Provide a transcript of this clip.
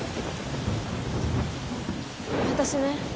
私ね